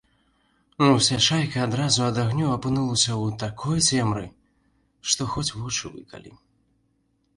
Уся шайка адразу ад агню апынулася ў такой цемры, што хоць вочы выкалі.